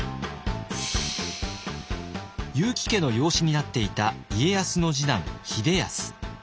結城家の養子になっていた家康の次男秀康。